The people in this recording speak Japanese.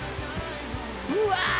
うわ！